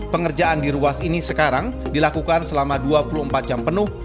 pengerjaan di ruas ini sekarang dilakukan selama dua puluh empat jam penuh